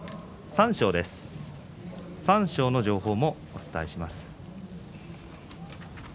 三賞の情報もお伝えします。